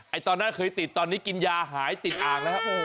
ตอนนั้นเคยติดตอนนี้กินยาหายติดอ่างแล้ว